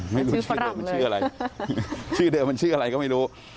ไม่รู้ชื่อเดิมมันชื่ออะไรชื่อเดิมมันชื่ออะไรก็ไม่รู้